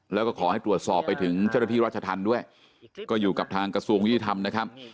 แล้วก็ขอให้ตรวจสอบไปถึงเจ้าหน้าที่ราชธรรมด้วยก็อยู่กับทางกระทรวงยุติธรรมนะครับ